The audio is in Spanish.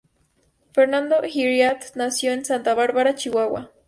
Fernando Hiriart nació en Santa Bárbara, Chihuahua.